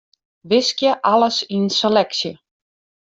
Wiskje alles yn seleksje.